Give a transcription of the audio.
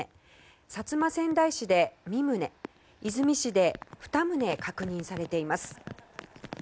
薩摩川内市で２棟出水市で２棟確認されています。